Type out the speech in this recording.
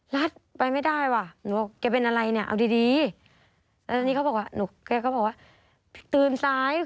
ก็ไม่ได้มีอะไรนะ